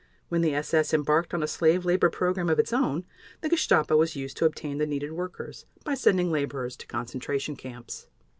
When the SS embarked on a slave labor program of its own, the Gestapo was used to obtain the needed workers by sending laborers to concentration camps.